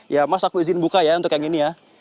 ya mas aku izin buka ya untuk yang ini ya